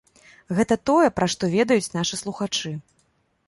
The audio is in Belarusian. Гэта тое, пра што ведаюць нашы слухачы.